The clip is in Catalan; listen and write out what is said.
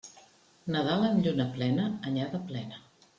Nadal amb lluna plena, anyada plena.